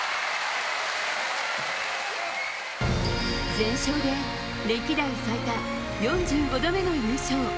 全勝で歴代最多４５度目の優勝。